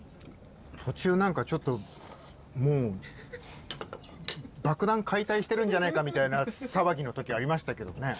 途中何かちょっともう爆弾解体してるんじゃないかみたいな騒ぎの時ありましたけどね。